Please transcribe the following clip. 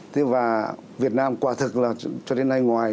thế và việt nam quả thực là cho đến nay ngoài